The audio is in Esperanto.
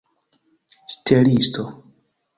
ŝtelisto